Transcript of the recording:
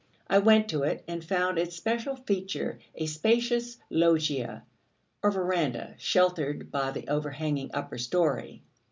I went to it, and found its special feature a spacious loggia or verandah, sheltered by the overhanging upper story.